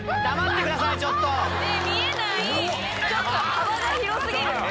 幅が広過ぎ！